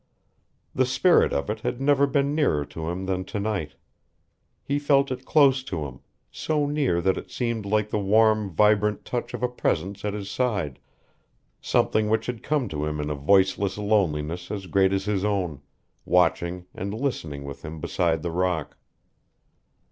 The spirit of it had never been nearer to him than to night. He felt it close to him, so near that it seemed like the warm, vibrant touch of a presence at his side, something which had come to him in a voiceless loneliness as great as his own, watching and listening with him beside the rock.